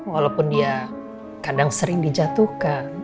walaupun dia kadang sering dijatuhkan